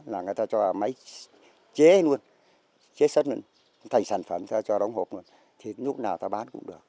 người ta cho máy chế luôn chế sất luôn thành sản phẩm ta cho đóng hộp luôn thì lúc nào ta bán cũng được